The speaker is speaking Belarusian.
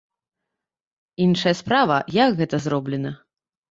Іншая справа, як гэта зроблена.